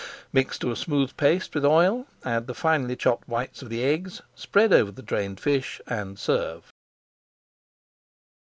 Mix to a smooth paste with oil, add the finely chopped whites of the eggs, spread over the drained fish, and serve.